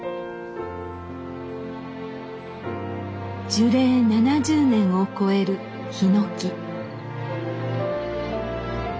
樹齢７０年を超えるヒノキ。